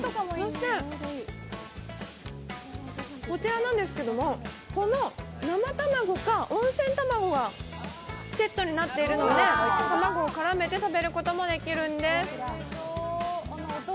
こちらなんですけども、生卵か温泉卵がセットになっているので卵を絡めていただくこともできるんです。